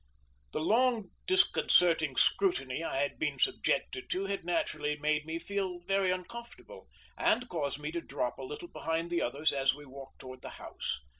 The long disconcerting scrutiny I had been subjected to had naturally made me very uncomfortable, and caused me to drop a little behind the others as we walked towards the house.